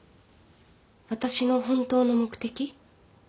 私の本当の目的？